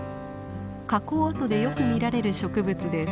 火口跡でよく見られる植物です。